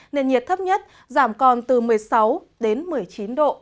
nền nhiệt thấp nhất giảm còn từ một mươi sáu đến một mươi chín độ